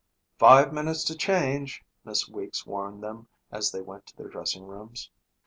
"Five minutes to change," Miss Weeks warned them as they went to their dressing rooms.